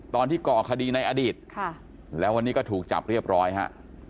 ก่อคดีในอดีตแล้ววันนี้ก็ถูกจับเรียบร้อยฮะ